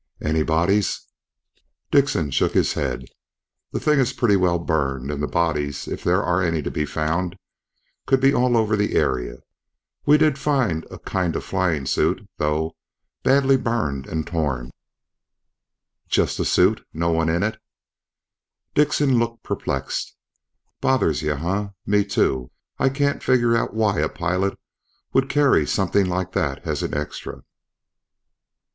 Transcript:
"Any bodies?" Dickson shook his head. "The thing is pretty well burned, and the bodies, if there are any to be found, could be all over the area. We did find a kind of flying suit, though, badly burned and torn." "Just the suit? No one in it?" Dickson looked perplexed. "Bothers you huh? Me too. I can't figure out why a pilot would carry something like that as an extra.